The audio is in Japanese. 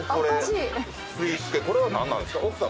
これは何なんですか？